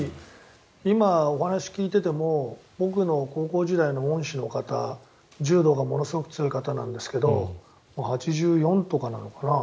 今、お話を聞いてても僕の高校時代の恩師の方柔道がものすごく強い方なんですが８４とかなのかな。